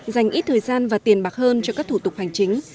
dành ít thời gian và tiền bạc hơn cho các thủ tục hành chính